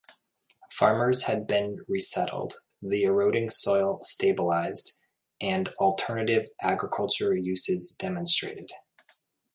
Farmers had been resettled, the eroding soil stabilized, and alternative agriculture uses demonstrated.